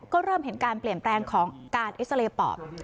ก็เริ่มเห็นการเปลี่ยนแปลงของการเอ็กซาเรย์ปอด